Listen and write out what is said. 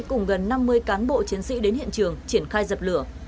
cùng gần năm mươi cán bộ chiến sĩ đến hiện trường triển khai dập lửa